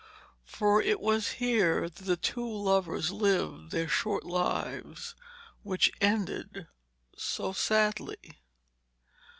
For it was here that the two lovers lived their short lives which ended so sadly.